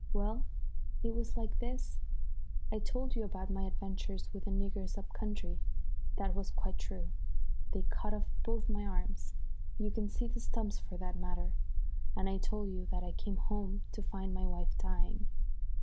Well, it was like this. I told you about my adventures with the niggers up country. That was quite true. They cut off both my arms you can see the stumps for that matter. And I told you that I came home to find my wife dying.